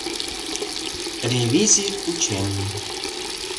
Ревизий кучен.